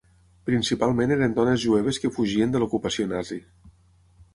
Principalment eren dones jueves que fugien de l'ocupació nazi.